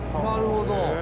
なるほど。